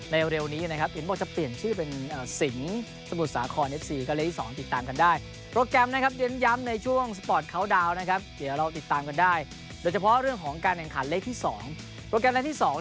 แล้วก็เตะอาจจะเข้าครับผม